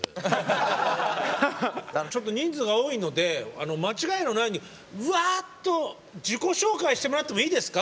ちょっと人数が多いので間違えのないようにうわっと自己紹介してもらってもいいですか？